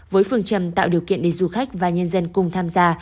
với phương trầm tạo điều kiện để du khách và nhân dân cùng tham gia